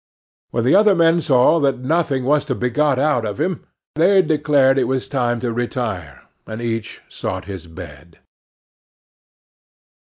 When the other men saw that nothing was to be got out of him they declared it was time to retire, and each sought his bed.